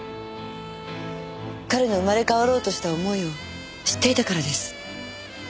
彼の生まれ変わろうとした思いを知っていたからです。